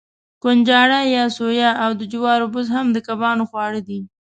کنجاړه یا سویا او د جوارو بوس هم د کبانو خواړه دي.